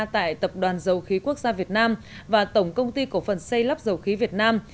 tại tập đoàn dầu khí quốc gia việt nam và tổng công ty cổ phần xây lắp dầu khí việt nam